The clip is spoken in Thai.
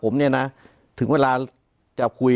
ไม่เคยเลย